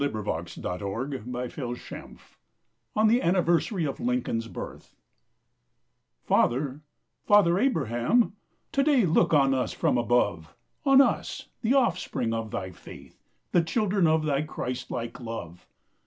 FATHER, FATHER ABRAHAM (On the Anniversary of Lincoln's Birth) Father, Father Abraham, To day look on us from above; On us, the offspring of thy faith, The children of thy Christ like love.